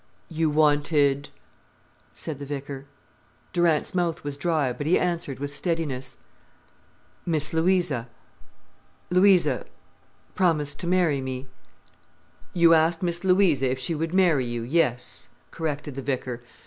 "You wanted——" said the vicar. Durant's mouth was dry, but he answered with steadiness: "Miss Louisa—Louisa—promised to marry me——" "You asked Miss Louisa if she would marry you—yes——" corrected the vicar.